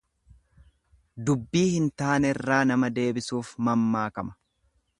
Dubbii hin taanerraa nama deebisuuf mammaakama.